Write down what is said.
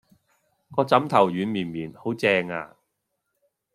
個枕頭軟綿綿好正呀